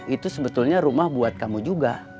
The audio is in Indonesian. itu sebetulnya rumah buat kamu juga